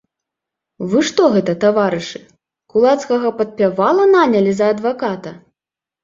Вы што гэта, таварышы, кулацкага падпявала нанялі за адваката?